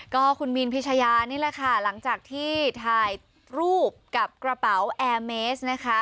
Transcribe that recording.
ก็คุณมีนพิชยานี่แหละค่ะหลังจากที่ถ่ายรูปกับกระเป๋าแอร์เมสนะคะ